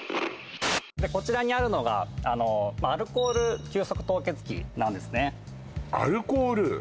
こちらにあるのがアルコール急速凍結機なんですねアルコール？